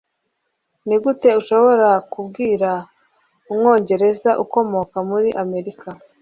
Nigute ushobora kubwira umwongereza ukomoka muri Amerika?